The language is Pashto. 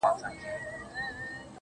o ه شعر كي دي زمـــا اوربــل دی.